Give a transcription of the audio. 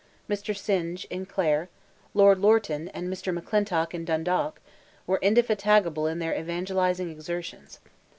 Mr. Synge, in Clare, Lord Lorton, and Mr. McClintock at Dundalk, were indefatigable in their evangelizing exertions.